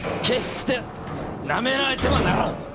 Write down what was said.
決してなめられてはならん！